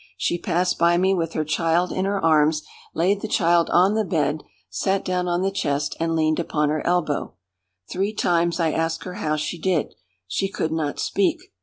She passed by me with her child in her arms, laid the child on the bed, sat down on the chest, and leaned upon her elbow. Three times I asked her how she did. She could not speak.